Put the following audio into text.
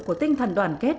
của tinh thần đoàn kết